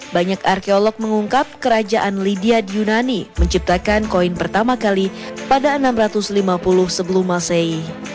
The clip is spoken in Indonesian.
banyak arkeolog mengungkap kerajaan lydia di yunani menciptakan koin pertama kali pada enam ratus lima puluh sebelum masehi